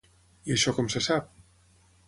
I això com se sap?